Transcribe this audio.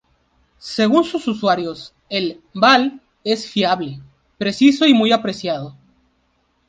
Según sus usuarios, el "Val" es fiable, preciso y muy apreciado.